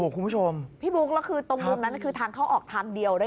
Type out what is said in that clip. คุณผู้ชมพี่บรูกตรงปุ้มนั้นคือทางเขาออกทางเดียว